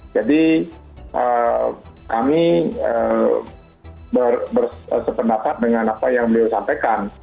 jadi kami bersependapat dengan apa yang beliau sampaikan